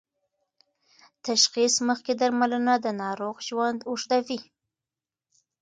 تشخیص مخکې درملنه د ناروغ ژوند اوږدوي.